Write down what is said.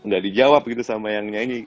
gak di jawab gitu sama yang nyanyi